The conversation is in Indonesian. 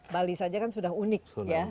bali saja kan sudah unik ya